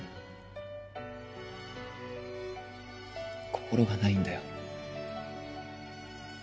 心がないんだよ。